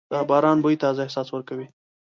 د باران بوی تازه احساس ورکوي.